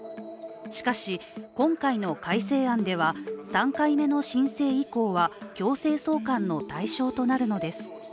しかし、今回の改正案では、３回目の申請以降は強制送還の対象となるのです。